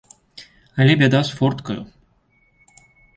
Але бяда з форткаю.